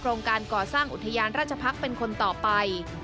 โรงการก่อสร้างอุทยานราชพักษ์เป็นคนต่อไป